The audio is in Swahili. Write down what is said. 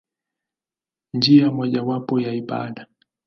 Njia mojawapo ya ibada.